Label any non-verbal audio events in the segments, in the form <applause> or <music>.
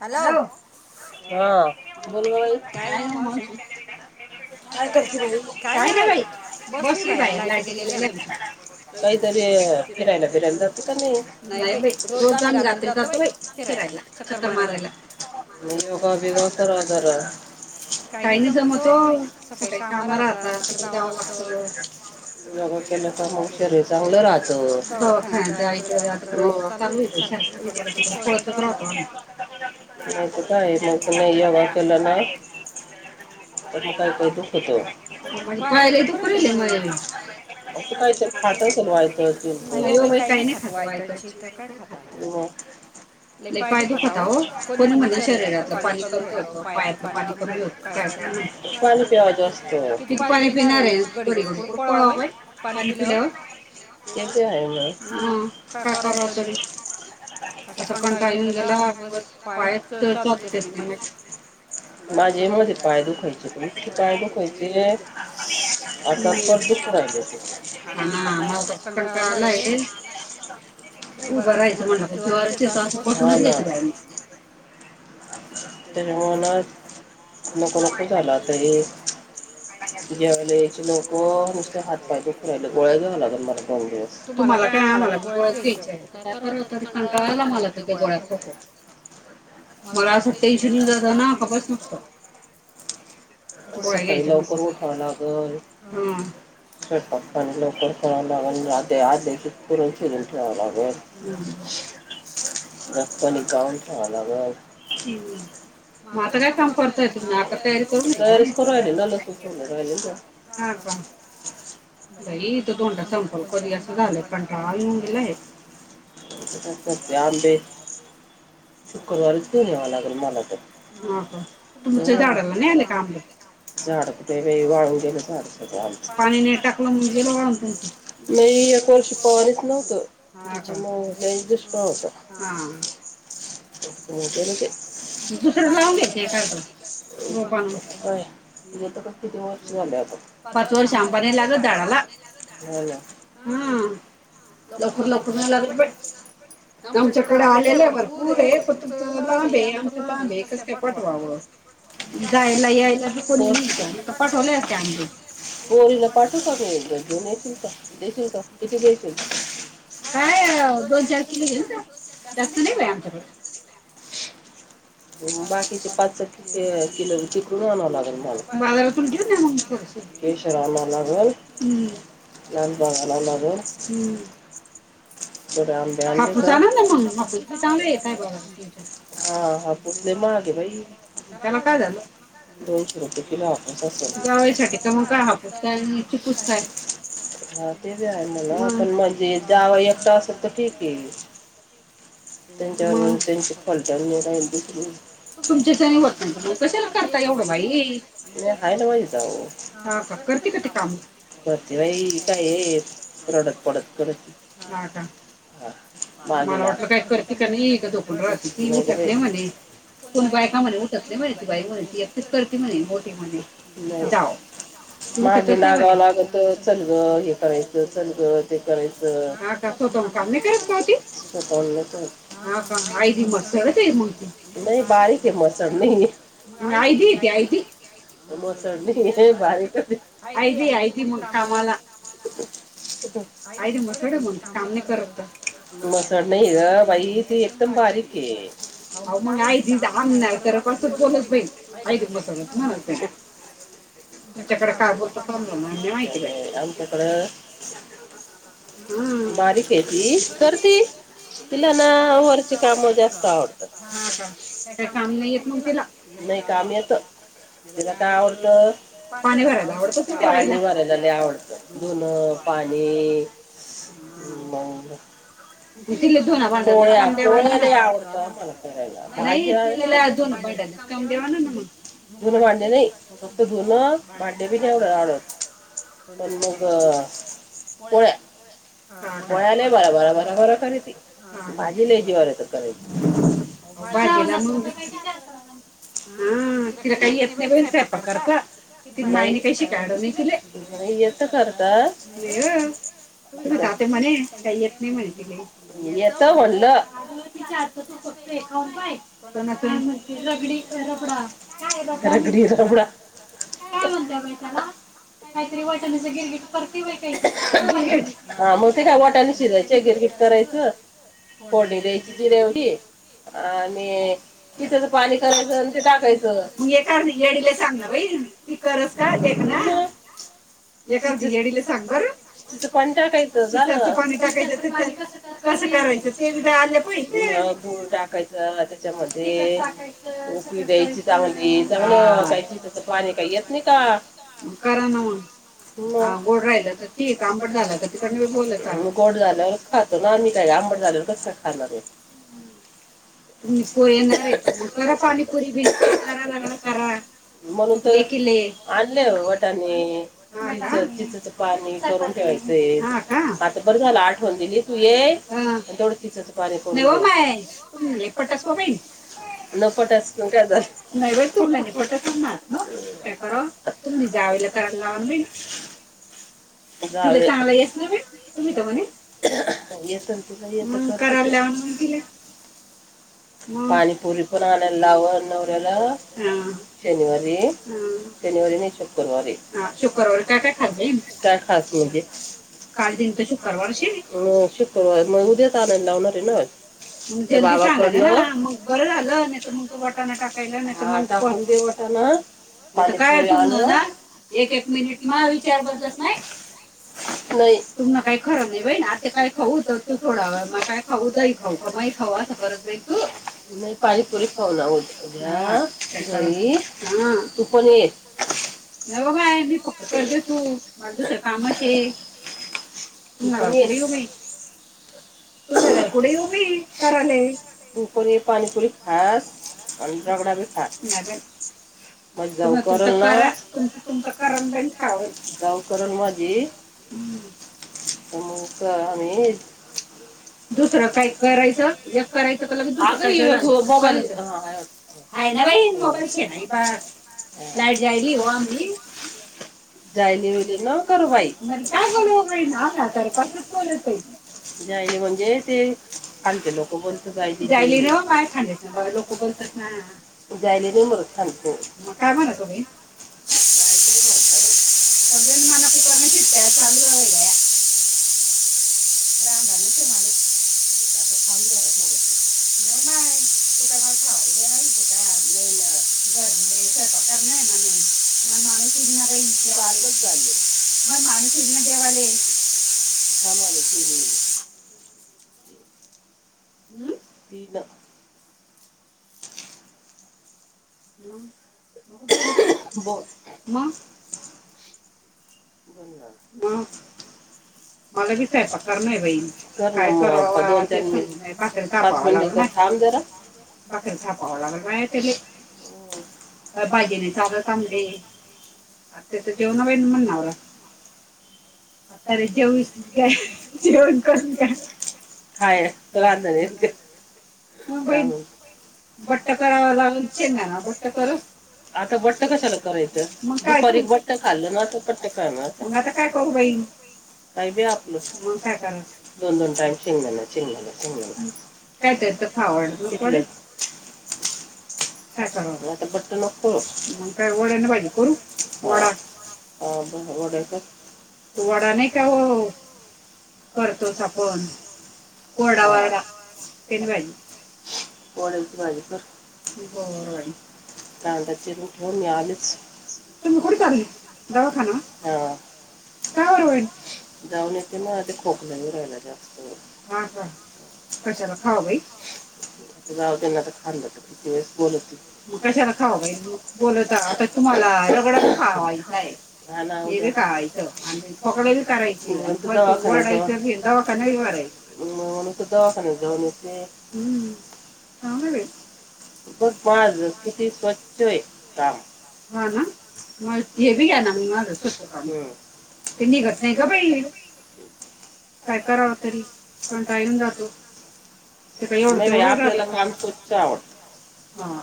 Hello हा मामी काय हो मावशी? काय नाही बाई बसली बाहेर लाईट गेलेले आमच्या काहीतरी फिरायला बीरायला जात. नाही बाई रोज आम्ही रात्री जातो बाई फिरायला चक्कर मारायला. मो का बसरा ज राहत र काही नाही जमतो काही कुठे कामा राहता तिथं जाव लागत. योगा केल्या तर मग शरीर चांगलं राहतं हो खान च्या आईच आता चांगली तबेत. तुमी त्याला तिकडे सोडतच नव्हता मने. नाहीत काय नाही तर नाही योगा केलं ना तरी काय काही दुखत. पाय लई दुखू राहिले माझे. कोणितरी खात असेल वायक हो भाई काही नाही खात वायतची तर काय खात. पाय दुख होत हो कोण म्हणा शरीरातलं पाणी कमी होतं पायाचलं पाणी कमी होत. का या चालू हे पाणी पिवाव जास्त किती पाणी पिणार आहे घडी घडी कोण पळावंय बाई. पाणी पिल्या वर. हा काय करावं तरी असा कंटा येऊन गे. नाहकच बस पायच चालूत देत नाही माजी. माजे मध्ये पाय दुखत होते इतके पाय दुखायचे स आता पण दु खूराहिले होते हाणा असा कंटाळा आलाय. उभं रहायचं मानल का जीवर येते अस पण. तुनच घेत बाय मी. तेव्हाना. नको नको झालं आता हे जेवायल यायचे लोक नुसते हात पाय दुखातात. गोळ्यास घ्यावा लागेल मला दोन दिवस तुम्हाला काय आम्हाला बि गोळ्या चा घ्यायची आहे काय कराव तर कंटाळाल आला मला तर. ते गोळ्या खातात. मला असं टेंशन येऊन जात ना का बस नुसत. गोड्या घ्यायला सकाळी लवकर उठाव लागल हम. स्वैपाक पानी लवकर कराव लाग आणि आदल्या दिवशी पुराण शिजवून ठेवाव लागल. रस पाणी काढून ठेवाव लागल म काय काम करतय तुमी आता तयारीच. तुमी तयारीच करू राहिले ना लसूण सोलून राहिले ना हा का. बाई ईथ धोंडा संपल कधी असं झालंय कंटाळा येऊन गेलाय. मी पण तेच करतोय आमच्या इथे जे. शुकवारीच घ्याव लागेल मला तर हा का तुमच्या झाडाला नाही आले का आंबे. झाड कुठे वाळू गेलं झाड सगळ आमच पाणी नाही टाकलं म्हणजे वाळून ज नाही एक वर्षी पाणीच नव्हत ह का मग हे दुष्काळ होता. हा होत ना ते. दुसरं लावून घ्यायचंय का रोप आणून. य किती वर्ष झाले आता पाच वर्ष आंबा नाही लागत झाडाला. हम्म लवकर लवकर नाही लागत बट आमच्याकडे आलेल्या भरपूरे हे पण तुमचं लांब हे आमच लांब आहे कस काय पठवाव. जायला यायला कुणी नि नाहीतर पाठवले असते आंबे पोरंरीला पाठवू का एक. घेऊनशील का देशील का किती देशील काय दोन चार किलो घेऊन जा. जास्त नाही व्यायामच्या. बाकीचे पाच स किलो चिकडून आणवं लागेल मला बाजारातूनि केशराला नगर लंदबागला मगर. थोड आंब र ना हापूस आंब. हापूस चांगले येताय बाबा तुमच्यात आ हापूस लई महाग हे बाई. त्याला काय झालं दोनशे रुपये किलो हापूस आसल जवईसाठी तर मग काय ह काही नाही चिकूच आहे. हा तेबि आहे मना पण म्हणजे जावई एकटा असल तर ठीक हे. त <unintelligible> कशाला करता एवढं बाई खायला माज का करते का ते काम. बाई काय रडत पोडत हा. अचछा. मला वाटलं काही करते का नाही का दोकन राहते ती मी करते म्हणे. कोण बायका म्हणे उठत नाही म्हणे ती बाई म्हणे ती एकच करते म्हणे मोठी म्हणे जाव. माझे लागावा लागत चलग हे करायचं चलग ते करायचं. तसवतम काम नाही करत पावती. मती नाही बारीक आहे मसण नाही. मग यती येतयती भारीयतीयती मग कामाला. हो आय र मसोड म्ह कामने करत. म सड नाही वैस एकदम बारीक आहे अ मंगयडामलात प बोलत बाई मसाला त नाही. तुमच्याकडे काय बोलतो सज नाी माहिती आमच्याकडं. हम्म बारीक आहे ती करती. तिला ना वरचे काम जास्त आवडतात का काम नाहीयेत मग तिला. नाही काम येत तिला काय आवडत पाणी भरायला आवड पाणी भरायला आवड. दन पाणी म तिले दोनांड ति दोन भांड्या. काम देवाना म मग. दन बांडे नाही त त दोन बांडे भी नाही हो. पण मग पोळ्या पोळ्या नाही बला बराबर. भाजी नाही जी. हा तिला काही येत नाही वेलचय पकडता ति बाईने काही श कायलं घ तिला. येत करत म्हणे का. माहिती म येत म्हणलं आ तूक् ता रगडी रबडा. काय म्हणत बैटला. काहीतरी वाटाण गे परती काा मग ते काय वाटाण शिजयच. जर. फडी दची जिरची. आणि तिथच पाणी करायचं आणि ते टाकायचं हे का नाही डीला चांगलं. त करस का ना. एका झलेडीला क बरं तिथं पाणी टाकायचं पाणी टाकायचं. कसं करायचं ते विध आले पाहिजे बू टाकायचं त्याच्यामध्ये उकळी द्यायची चांगली चांगयची पाणी काही येत नाही का. करा ना मग. गोड राहिलं तर तठी आंबड झालं तर तिकड मी बोलतां गोड झालं. खातो ना आम्ही काय आंबड झालेवर कस खाणार आहे. करा पाणीपुरी भि करा नग करा. म्हणून तो आणले वटाने चच पाणी करून ठेवायचं. ते आता बरं झालं आठवाल दिली. तू ये दोड तिचे मायपटसव बाई. न पटच काय नाही तु पटचणार का. अतून जाावला कराला. तला चांगला यस ना म. ता म. येत त मस् कन तला. पाणीपुरी पण आणायला लाव नवऱ्याला शनिवारी. शनिवारी नाही शुक्रवारी हा शुक्रवारी काय काय खब काय खास. काल दि तर शुक्रवार शुक्रवार मग उद्या आणायला लावणार आहे ना. ांग मग बरं झालं नाही तर मग तो वाटाण टाकायला नाही दे. ह ना. आ काय एक एक मिनिट म विचार करतच नाही. नाही तुम्हा काही खरं नाही बही ना आ. काय खाऊ तर तू थोडा व मग काय खाऊ दही खाऊ का मही खाऊ अस फरत नाहीई तू नाही पाणीपुरी पाव ना उद्या उद्या त्याच्या हम् तू पण ये. नाही बघय मी फक्त कर द तू माझ दुसर्या कामाचे <unintelligible> त पु कराले को पाणीपुरी ह <unintelligible> म जाऊु जाऊ करण <unintelligible> माझी अमु <unintelligible> दुसरं काय करायचं एक करायचं <unintelligible> तर काय ना बाई मोबालचे ना प लाईट जायली हो आली. जायले वेली न कर बाई का <unintelligible> बोलतहि जायले म्हणजे ते खां लोक बोलत जाय कायड लोक बोलत हा जा्यायले नाही मरत थलते मग काय म्हणा तुम्ही <unintelligible> <unintelligible> <unintelligible> वा झा मग मानसिरण देेवाले वीड ब म हम मला विसाय प कार नाही बाई <unintelligible> थांब जरा बाकीथपावाला माया <unintelligible> भाजीने चचाद थांबले ते तर जेवणा बण म्हणणार आता र जेऊस काय जेवण करून का खाय रांणार नाही. म पई <unintelligible> भट्ट करावा लावछ ना भट्टकरच आता बट्ट कशाला करायचं बारीक बट्ट खाल्ल ना तर पट्ट करणार काय करू? वई काही बी आपल दोन दोन टाईम शिंगले शिंगले शिले कायतत खा आवड काय कराव आता म्हटत लोक का वड्याने पाहिजे वडा हो वडा नाही का? हो करतोस आपण घोडा वैरा त्यांनी भ घोड्याची भाज तपरवाडी <unintelligible> तुम्ही कुठं चाल्ले? दवाखाना? आ का <unintelligible> <unintelligible> हा का? कशाला खाऊ बाई. जाऊ तना तर खां बोलत म कशाला खावा बोलत आता तुम्हाला दगडाच खावायचा आहे. ह ना हेरे कायचं आणि पकड करायची वाढाय दवाखा नाहीही भायची म्ह त दवाखा नाही जा हम्म कामवे <unintelligible> <unintelligible> नाही ग बाई, काय करावं, तरी पण टालून जातय. आपल्याला आम स्वच्छ आवडत. हा,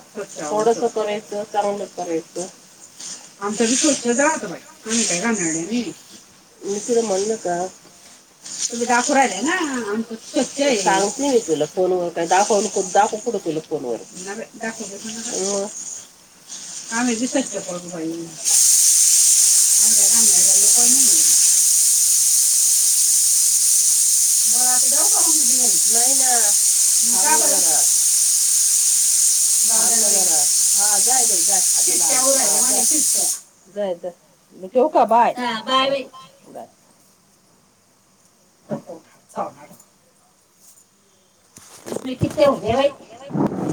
थोडसं कोरायचं, चांगलं करायचं. आमचा वि स्वस्छ जात बाई, आ्मी काय घानेळनी. मिश्रण मळल का? तुम्ही दाखवू राहिलाय ना,, आमी स्वच्छ, सांगत नाही मी तुला, फोनवर काय दाखव, दाखव. केलो फोनवर. नाय बाई,, हो, आम्ही विसायस्थ्य करगबाई. बरा आता जाऊ का,, मिटिंग,, नाही ना,,, का बरं. गानगर हा,, जाय जा जास्तऽ जायय,, ठेव का, बाय, बाय बाय. हो,, इसमे किेते हो गये भाई.